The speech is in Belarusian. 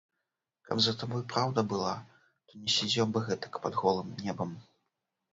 Каб за табой праўда была, то не сядзеў бы гэтак пад голым небам.